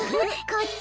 こっち？